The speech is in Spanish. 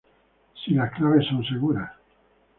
si las claves son seguras